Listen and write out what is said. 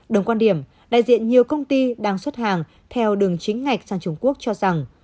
đồng quan điểm đại diện nhiều công ty đang xuất hàng theo đường chính ngạch sang trung quốc cho rằng